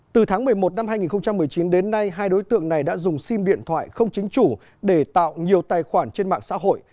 từ tháng một mươi một năm hai nghìn một mươi chín đến nay hai đối tượng này đã dùng sim điện thoại không chính chủ để tạo nhiều tài khoản trên mạng xã hội